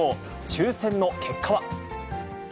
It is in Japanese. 抽せんの結果は。